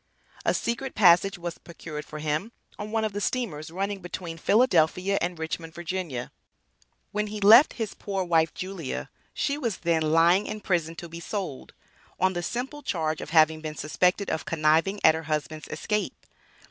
A secret passage was procured for him on one of the steamers running between Philadelphia and Richmond, Va. When he left his poor wife, Julia, she was then "lying in prison to be sold," on the simple charge of having been suspected of conniving at her husband's escape.